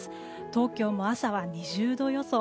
東京も朝は２０度予想。